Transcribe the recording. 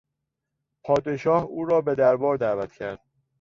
پادشاه او را به دربار دعوت کرد.